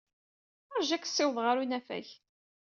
Ṛju ad k-ssiwḍeɣ ɣer unafag.